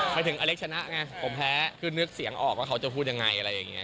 หมายถึงอเล็กชนะไงผมแพ้คือนึกเสียงออกว่าเขาจะพูดยังไงอะไรอย่างนี้